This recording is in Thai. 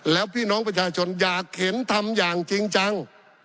แล้วพี่น้องประชาชนอยากเห็นทำอย่างจริงจัง